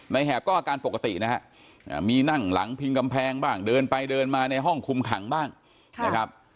แหบก็อาการปกตินะฮะมีนั่งหลังพิงกำแพงบ้างเดินไปเดินมาในห้องคุมขังบ้างนะครับ